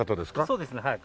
そうですねはい。